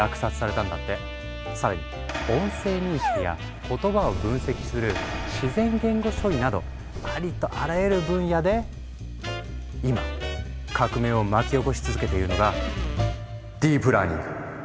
更に音声認識や言葉を分析する自然言語処理などありとあらゆる分野で今革命を巻き起こし続けているのがディープラーニング。